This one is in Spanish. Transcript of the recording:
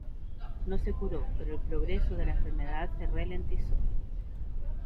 No se curó, pero el progreso de la enfermedad se ralentizó.